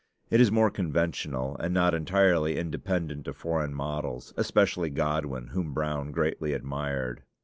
It is more conventional, and not entirely independent of foreign models, especially Godwin, whom Brown greatly admired.